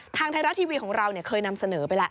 ทางไทยรัฐทีวีของเราเคยนำเสนอไปแล้ว